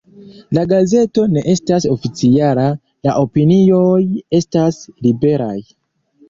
La gazeto ne estas oficiala, la opinioj estas liberaj.